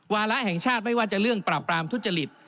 วาระแห่งชาติไม่ว่าจะเรื่องปราบปรามทุจริต